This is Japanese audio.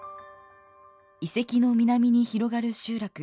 遺跡の南に広がる集落。